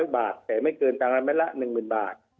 ๕๐๐บาทแต่ไม่เกินจังหลังแมตรละ๑หมื่นบาท